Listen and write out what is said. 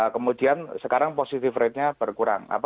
kemudian sekarang positive ratenya berkurang